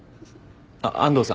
あっ安藤さん